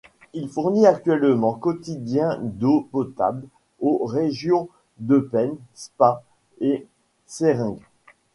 Il fournit actuellement quotidiens d'eau potable aux régions d'Eupen, Spa, et Seraing.